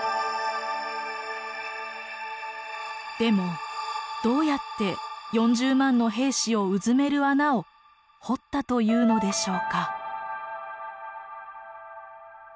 でもどうやって４０万の兵士をうずめる穴を掘ったというのでしょうか？